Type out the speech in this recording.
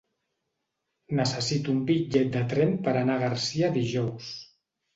Necessito un bitllet de tren per anar a Garcia dijous.